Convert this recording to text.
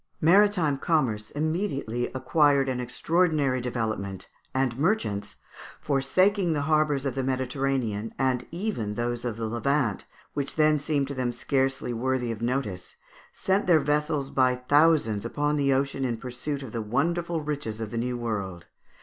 Maritime commerce immediately acquired an extraordinary development, and merchants, forsaking the harbours of the Mediterranean, and even those of the Levant, which then seemed to them scarcely worthy of notice, sent their vessels by thousands upon the ocean in pursuit of the wonderful riches of the New World.